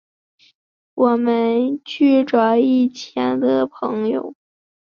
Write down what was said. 我们要去找以前的朋友